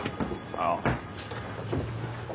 ああ。